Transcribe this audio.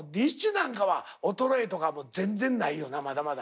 なんかは衰えとか全然ないよなまだまだ。